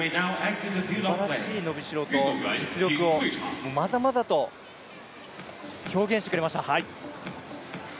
すばらしい伸びしろと実力をまざまざと表現してくれました。